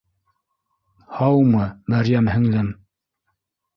— һаумы, Мәрйәм һеңлем